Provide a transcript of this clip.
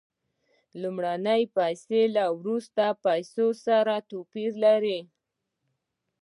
لومړنۍ پیسې له وروستیو پیسو سره څه توپیر لري